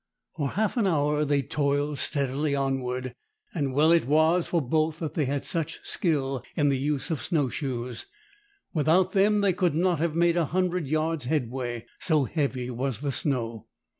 For half an hour they toiled steadily onward, and well it was for both that they had such skill in the use of snow shoes. Without them they could not have made a hundred yards' headway, so heavy was the snow.